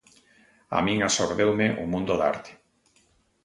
A min absorbeume o mundo da arte.